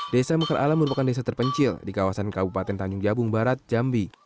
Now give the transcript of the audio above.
desa mekar alam merupakan desa terpencil di kawasan kabupaten tanjung jabung barat jambi